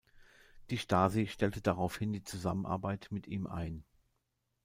Die Stasi stellte daraufhin die Zusammenarbeit mit ihm ein.